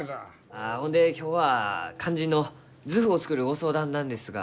あほんで今日は肝心の図譜を作るご相談なんですが。